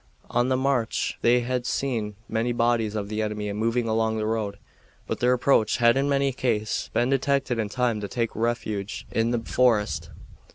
On the march they had seen many bodies of the enemy moving along the road, but their approach had in every case been detected in time to take refuge in the forest.